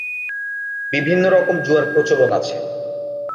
বিভিন্ন রকম জুয়ার প্রচলন আছে।